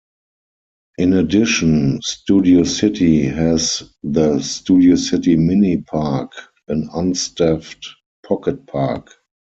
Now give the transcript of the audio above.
In addition, Studio City has the Studio City Mini-Park, an unstaffed pocket park.